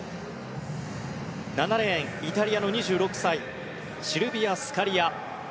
７レーン、イタリアの２６歳シルビア・スカリア。